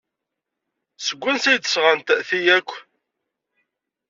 Seg wansi ay d-sɣant ti akk?